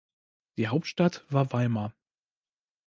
Die Hauptstadt war Weimar.